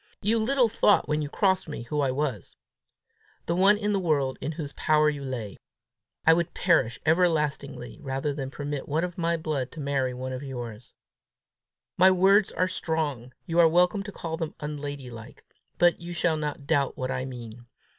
You little thought when you crossed me who I was the one in the world in whose power you lay! I would perish ever lastingly rather than permit one of my blood to marry one of yours. My words are strong; you are welcome to call them unladylike; but you shall not doubt what I mean.